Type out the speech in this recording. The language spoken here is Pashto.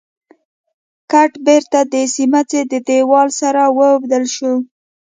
ګټ بېرته د سمڅې د دېوال سره واوبدل شو.